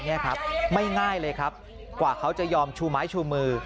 นี่ไม่ง่ายเลยกว่าเขาจะยอมชูไม้ชูมือ